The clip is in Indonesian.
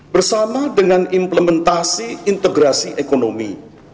bersama dengan implementasi integrasi ekonomi